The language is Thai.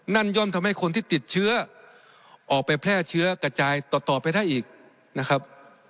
ย่อมทำให้คนที่ติดเชื้อออกไปแพร่เชื้อกระจายต่อไปได้อีกนะครับ